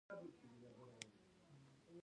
ازادي راډیو د عدالت په اړه پراخ بحثونه جوړ کړي.